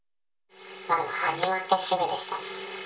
始まってすぐでした。